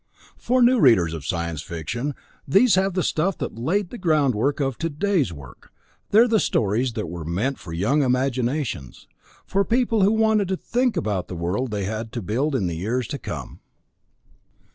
For new readers of science fiction these have the stuff that laid the groundwork of today's work, they're the stories that were meant for young imaginations, for people who wanted to think about the world they had to build in the years to come.